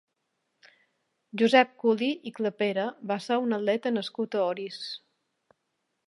Josep Culí i Clapera va ser un atleta nascut a Orís.